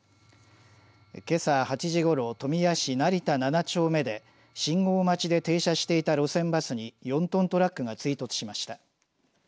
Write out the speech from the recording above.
けさ８時ごろ富谷市成田７丁目で信号待ちで停車していた路線バスに４トントラックが追突しました。